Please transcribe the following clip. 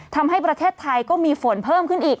ทำให้ประเทศไทยก็มีฝนเพิ่มขึ้นอีก